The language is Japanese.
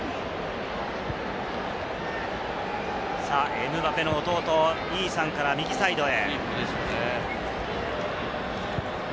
エムバペの弟、イーサンから右サイドへ。